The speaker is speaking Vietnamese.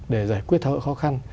để giải quyết thảo luận khó khăn